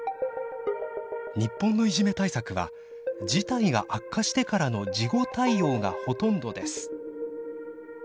日本のいじめ対策は事態が悪化してからの事後対応がほとんどです。